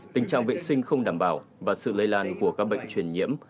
tình trạng vệ sinh không đảm bảo và sự lây lan của các bệnh truyền nhiễm